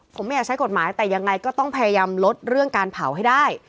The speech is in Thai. ผมไม่อยากใช้กฎหมายแต่ยังไงก็ต้องพยายามลดเรื่องการเผาให้ได้